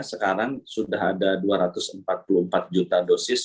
sekarang sudah ada dua ratus empat puluh empat juta dosis